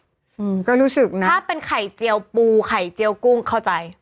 อืมก็รู้สึกนะถ้าเป็นไข่เจียวปูไข่เจียวกุ้งเข้าใจ